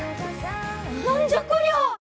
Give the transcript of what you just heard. なんじゃこりゃ！